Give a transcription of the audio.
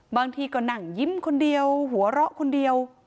บางทีก็นั่งยิ้มคนเดียวหัวเราะคนเดียว